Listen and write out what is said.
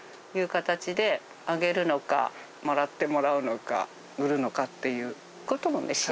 という形であげるのかもらってもらうのか売るのかっていう事もね